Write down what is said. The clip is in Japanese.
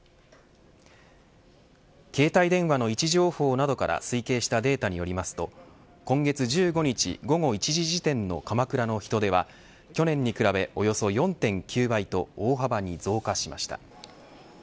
携帯電話の位置情報などから推計したデータによりますと今月１５日午後１時時点の鎌倉の人出は去年に比べ、およそ４．９倍と大幅に増加しました。